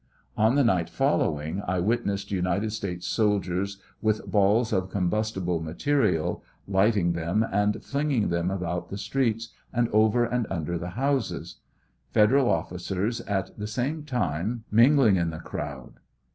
On the night following I witnessed United States soldiers with balls of combustible material, lighting them, and flinging them about the streets and over and under the houses, Federal officers at the same time mingling in the crowd.